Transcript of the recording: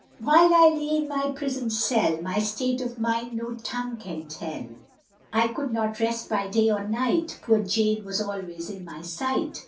While I lay in my prison cell, My state of mind no tongue can tell; I could not rest by day or night, Poor Jane was always in my sight.